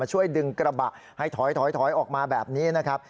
ช่วยดึงกระบะให้ถอยออกมาแบบนี้นะครับ